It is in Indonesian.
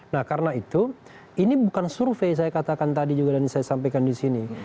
nah karena itu ini bukan survei saya katakan tadi juga dan saya sampaikan di sini